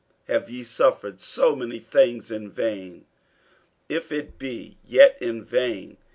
48:003:004 Have ye suffered so many things in vain? if it be yet in vain.